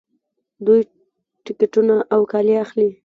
دوی ټکټونه او کالي اخلي.